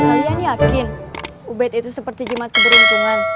kalian yakin ubed itu seperti jimat keberuntungan